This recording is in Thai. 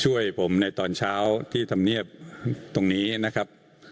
ช่วยผมในตอนเช้าที่ธรรมเนียบตรงนี้นะครับ